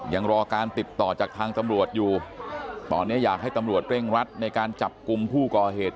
ยังรอการติดต่อจากทางตำรวจอยู่ตอนนี้อยากให้ตำรวจเร่งรัดในการจับกลุ่มผู้ก่อเหตุ